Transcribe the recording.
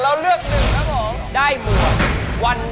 ไม่กินเป็นร้อย